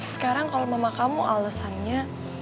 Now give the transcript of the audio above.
sekarang kalau mama kamu alasannya